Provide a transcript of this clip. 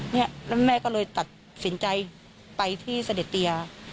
แล้วแม่ก็เลยตัดสินใจไปที่เสด็จเตีย